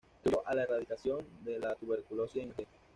Contribuyó a la erradicación de la tuberculosis en Argelia.